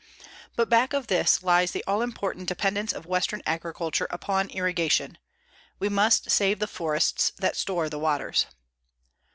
_But back of this lies the all important dependence of western agriculture upon irrigation. We must save the forests that store the waters.